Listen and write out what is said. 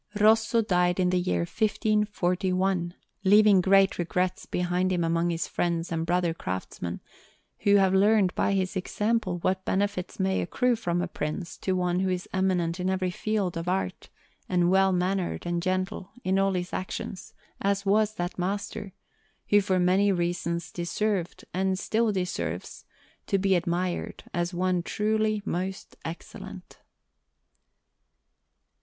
Rosso died in the year 1541, leaving great regrets behind him among his friends and brother craftsmen, who have learned by his example what benefits may accrue from a prince to one who is eminent in every field of art, and well mannered and gentle in all his actions, as was that master, who for many reasons deserved, and still deserves, to be admired as one truly most excellent.